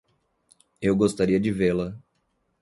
Eu gostaria de vê-la.